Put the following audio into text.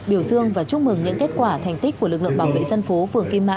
biểu dương và chúc mừng những kết quả thành tích của lực lượng bảo vệ dân phố phường kim mã